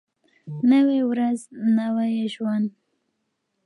نوی ورځ نوی ژوند.